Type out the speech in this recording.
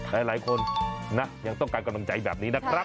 หลายคนนะยังต้องการกำลังใจแบบนี้นะครับ